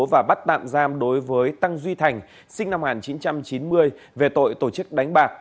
và bắt tạm giam đối với tăng duy thành sinh năm một nghìn chín trăm chín mươi về tội tổ chức đánh bạc